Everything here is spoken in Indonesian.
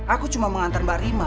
aku cuma mengantar mbak rima